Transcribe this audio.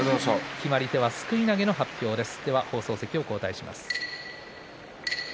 決まり手はすくい投げの発表です。